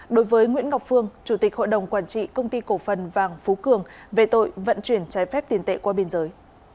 đối với nguyễn ngọc phương chủ tịch hội đồng quản trị công ty cổ phần vàng phú cường về tội vận chuyển trái phép tiền tệ qua biên giới